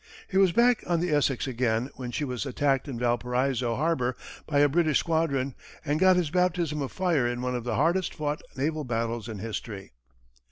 He was back on the Essex again when she was attacked in Valparaiso harbor by a British squadron, and got his baptism of fire in one of the hardest fought naval battles in history.